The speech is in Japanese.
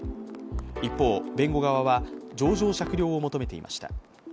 一方、弁護側は情状酌量を求めていました。